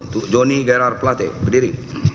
untuk joni gerar plate berdiri